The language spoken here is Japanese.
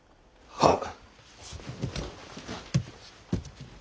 はっ。